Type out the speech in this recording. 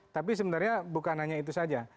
tapi sebenarnya bukan hanya itu saja